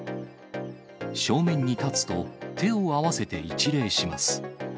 正面に立つと、手を合わせて一礼します。